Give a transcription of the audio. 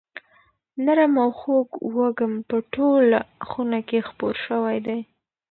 نرم او خوږ وږم په ټوله خونه کې خپور شوی دی.